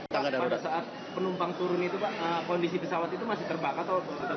pada saat penumpang turun itu pak kondisi pesawat itu masih terbakar atau